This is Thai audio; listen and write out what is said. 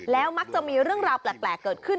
แล้วมักจะมีเรื่องราวแปลกเกิดขึ้น